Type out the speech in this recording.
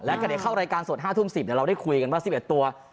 และก็เลยเข้ารายการโสด๕ทุ่ม๑๐แล้วเราได้คุยกันว่า๑๑ตัว